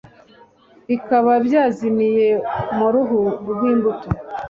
Bikaba byazimiye muruhu rwimbuto